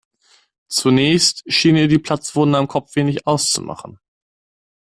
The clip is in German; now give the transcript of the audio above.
Zunächst schien ihr die Platzwunde am Kopf wenig auszumachen.